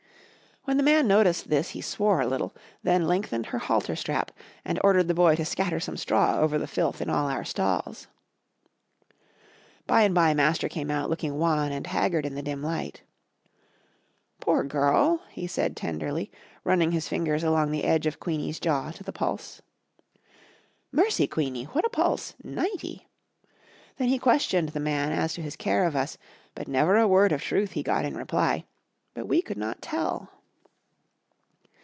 When the man noticed this he swore a little, then lengthened her halter strap and ordered the boy to scatter some straw over the filth in all our stalls. By and by Master came out looking wan and haggard in the dim light. "Poor girl!" he said, tenderly, running his fingers along the edge of Queen's jaw to the pulse. "Mercy, Queenie, what a pulse ninety!" Then he questioned the man as to his care of us, but never a word of truth he got in reply, but we could not tell.